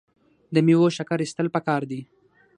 د میوو شکر ایستل پکار دي.